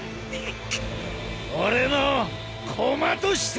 俺の駒としてな！